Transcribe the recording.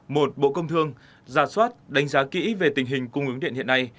một bộ công thương giả soát đánh giá kỹ về tình hình cung ứng điện hiện nay